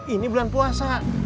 ini bulan puasa